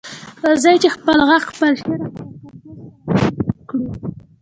راځئ چې خپل غږ، خپل شعر او خپل کمپوز سره مل کړو.